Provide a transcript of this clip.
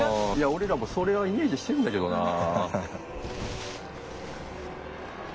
俺らもそれはイメージしてるんだけどなぁ。